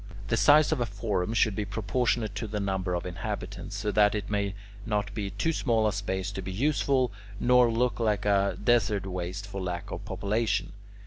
The size of a forum should be proportionate to the number of inhabitants, so that it may not be too small a space to be useful, nor look like a desert waste for lack of population.